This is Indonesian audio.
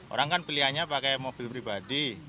orang kan pilihannya pakai mobil pribadi